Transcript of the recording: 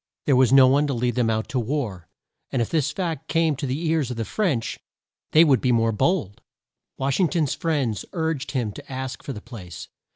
There was no one to lead them out to war, and if this fact came to the ears of the French, they would be more bold. Wash ing ton's friends urged him to ask for the place.